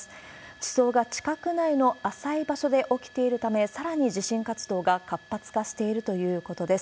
地層が地殻内の浅い場所で起きているため、さらに地震活動が活発化しているということです。